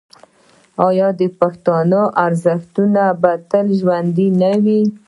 آیا د پښتنو ارزښتونه به تل ژوندي نه وي؟